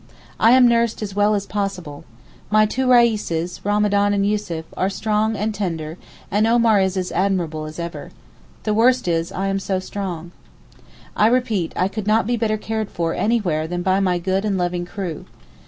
I am nursed as well as possible. My two Reises, Ramadan and Yussuf, are strong and tender and Omar is admirable as ever. The worst is I am so strong. I repeat I could not be better cared for anywhere than by my good and loving crew.